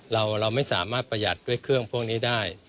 เราไม่สามารถประหยัดด้วยเครื่องพวกนี้ได้